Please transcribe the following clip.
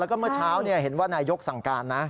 แล้วก็เมื่อเช้าเห็นว่านายกสั่งการนะ